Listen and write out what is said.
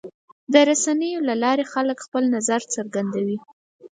د رسنیو له لارې خلک خپل نظر څرګندوي.